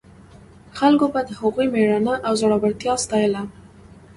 خلکو به د هغوی مېړانه او زړورتیا ستایله.